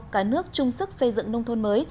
cả nước trung sức xây dựng nông thôn mới